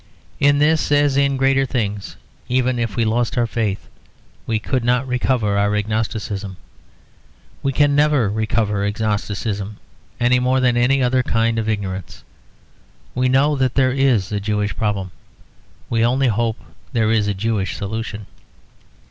In this as in greater things, even if we lost our faith we could not recover our agnosticism. We can never recover agnosticism, any more than any other kind of ignorance. We know that there is a Jewish problem; we only hope that there is a Jewish solution.